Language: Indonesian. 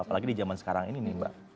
apalagi di zaman sekarang ini nih mbak